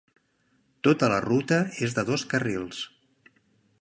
Tota la ruta és de dos carrils.